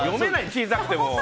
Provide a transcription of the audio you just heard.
小さくて。